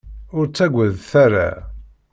Ur ttagadet ara.